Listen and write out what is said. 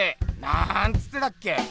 なんつってたっけ？